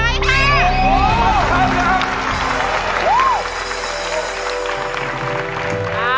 ไม่ใช่ค่ะ